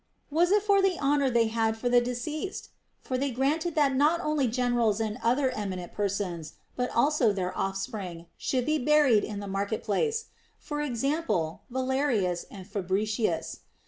Was it for the honor they had for the de ceased % For they granted that not only generals and other eminent persons, but also their offspring, should be buried in the market place, for example, Valerius and Fabricius.